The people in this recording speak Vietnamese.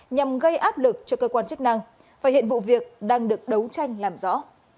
nhằm gây áp lực cho cơ quan chức năng và hiện vụ việc đang được đấu tranh làm rõ